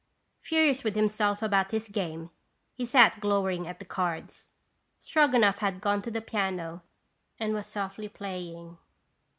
'" Furious with himself about his game, he sat glowering at the cards. Stroganoff had gone to the piano, and was softly playing.